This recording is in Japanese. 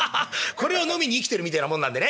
これを飲みに生きてるみてえなもんなんでね。